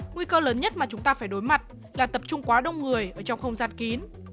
nguy cơ lớn nhất mà chúng ta phải đối mặt là tập trung quá đông người ở trong không gian kín